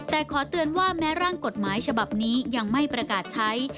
แต่ขอเตือนว่าแม้ร่างกฎหมายฉบับนี้ยังไม่ประกาศใช้